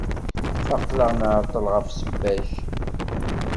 Aql-aɣ nεeṭṭel ɣef ssebba-k.